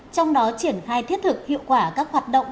trong đó triển khai thiết thực hiệu quả các hoạt động